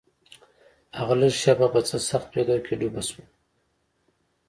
هغه لږه شېبه په څه سخت فکر کې ډوبه شوه.